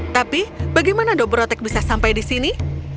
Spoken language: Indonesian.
tapi bagaimana dobrotek bisa sampai di sini